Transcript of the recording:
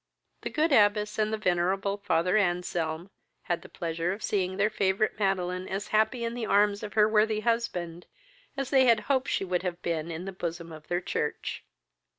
The good abbess and the venerable father Anselm had the pleasure of seeing their favourite Madeline as happy in the arms of her worthy husband, as they had hoped she would have been in the bosom of their church.